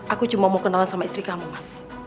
aku cuma mau kenalan sama istri kamu mas